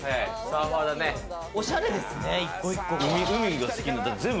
おしゃれですね、１個１個。